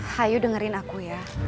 hayu dengerin aku ya